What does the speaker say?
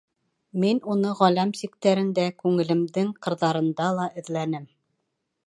Мин уны ғаләм сиктәрендә, күңелемдең ҡырҙарында ла эҙләнем.